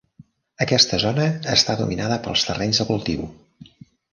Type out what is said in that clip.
Aquesta zona està dominada pels terrenys de cultiu.